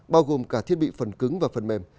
bao gồm cả thiết bị phần cứng và phần mềm